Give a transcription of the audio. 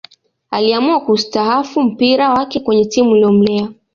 Aliamua kusitahafu mpira wake kwenye timu iliyomlea